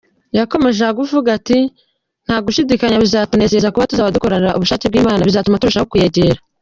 Yakomeje avuga ati :" ntagushidikanya bizatunezeza kuba tuzaba dukora ubushake bw’Imana, bizatuma turushaho kuyegera.